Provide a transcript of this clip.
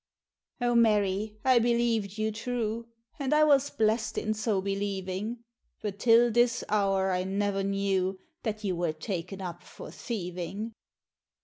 O Mary, I believed you true, And I was blest in so believing; But till this hour I never knew That you were taken up for thieving!